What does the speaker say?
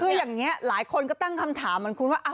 คืออย่างนี้หลายคนก็ตั้งคำถามเหมือนคุณว่า